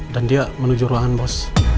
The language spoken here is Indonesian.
dan dia menuju ruangan bos